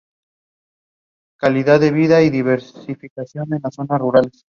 Además, se incautaron todos los bienes de los hermanos Colón.